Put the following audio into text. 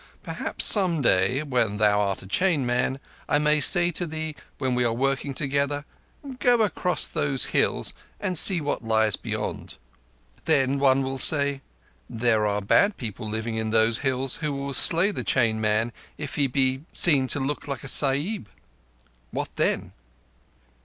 Perhaps some day, when thou art a chain man, I may say to thee when we are working together: 'Go across those hills and see what lies beyond.' Then one will say: 'There are bad people living in those hills who will slay the chain man if he be seen to look like a Sahib.' What then?"